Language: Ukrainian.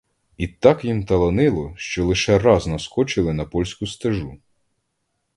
І так їм таланило, що лише раз наскочили на польську стежу.